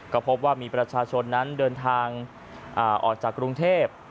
ก็พบว่ามีประชาชนนั้นเดินทางออกจากกรุงเทพ